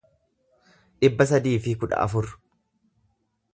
dhibba sadii fi kudha afur